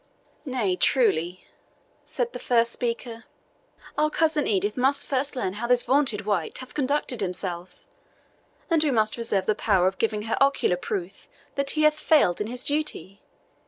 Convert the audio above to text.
"Nay, truly," said the first speaker, "our cousin Edith must first learn how this vaunted wight hath conducted himself, and we must reserve the power of giving her ocular proof that he hath failed in his duty.